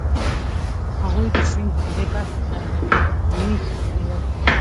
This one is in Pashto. هغوی د سیند هغې برخې ته رهنيي کېدل.